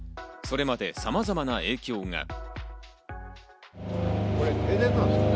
それまでさまざまな影響が。